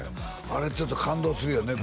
あれちょっと感動するよね